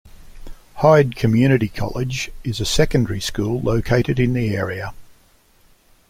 Hyde Community College is a secondary school located in the area.